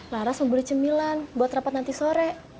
laras mau beli cemilan buat rapat nanti sore